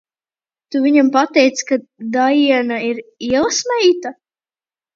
Tu viņiem pateici, ka Daiena ir ielasmeita?